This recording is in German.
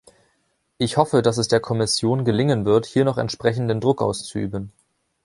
Ich hoffe, dass es der Kommission gelingen wird, hier noch entsprechenden Druck auszuüben.